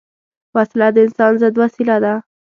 وسله د انسان ضد وسیله ده